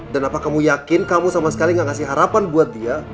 dan apa kamu yakin kamu sama sekali nggak ngasih harapan buat dia